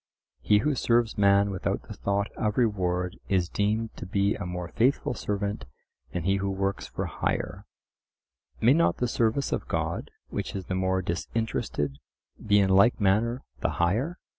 He who serves man without the thought of reward is deemed to be a more faithful servant than he who works for hire. May not the service of God, which is the more disinterested, be in like manner the higher?